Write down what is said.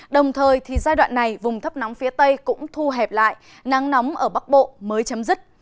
đồng thời giai đoạn này vùng thấp nóng phía tây cũng thu hẹp lại nắng nóng ở bắc bộ mới chấm dứt